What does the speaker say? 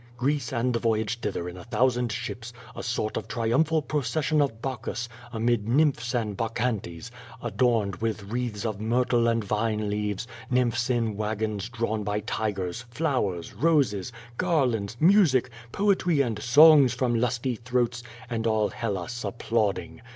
Greece and the voyage thither in a thousand ships, a sort of triumphal procession of Bacchus, amid nymphs and bac chantes, adorned with wreaths of myrtle and vine leaves, nymphs in wagons drawn by tigers, flowers, roses, garlands, music, poetry and songs from lusty throats, and all Hellas applauding.